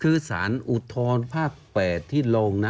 คือสารอุทธรภาค๘ที่ลงนะ